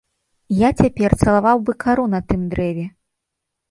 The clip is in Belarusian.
Я цяпер цалаваў бы кару на тым дрэве.